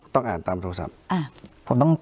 ต้องอ่านตามโทรศัพท์